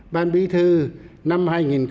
ban bí thư năm hai nghìn một mươi sáu